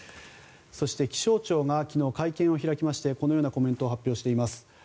そして、気象庁が昨日会見を開きましてこのようなコメントを発表しています。